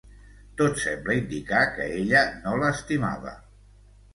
Tot sembla indicar que ella no l'estimava.